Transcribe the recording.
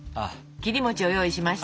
切り餅を用意しました。